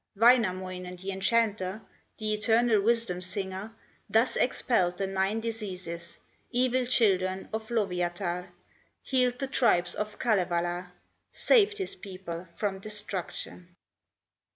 Wainamoinen, the enchanter, The eternal wisdom singer, Thus expelled the nine diseases, Evil children of Lowyatar, Healed the tribes of Kalevala, Saved his people from destruction.